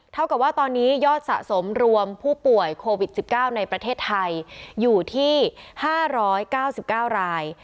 เท่ากับว่าตอนนี้ยอดสะสมรวมผู้ป่วยโควิด๑๙ในประเทศไทยอยู่ที่๕๙๙ราย